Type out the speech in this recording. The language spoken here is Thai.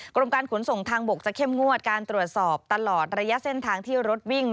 กรมการขนส่งทางบกจะเข้มงวดการตรวจสอบตลอดระยะเส้นทางที่รถวิ่ง